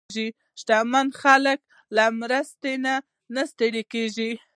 شتمن خلک له مرستې نه ستړي نه کېږي.